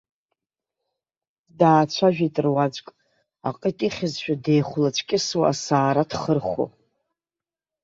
Даацәажәеит руаӡәк, аҟит ихьызшәа деихәлацәкьысуа, асаара дхырхәо.